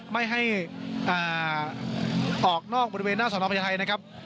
ไม่ให้ออกนอกบริเวณหน้าสนพญาไทยนะครับ